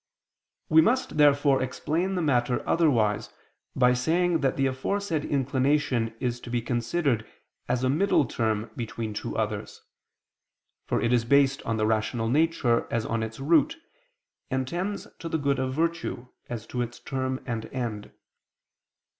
We must, therefore, explain the matter otherwise by saying that the aforesaid inclination is to be considered as a middle term between two others: for it is based on the rational nature as on its root, and tends to the good of virtue, as to its term and end.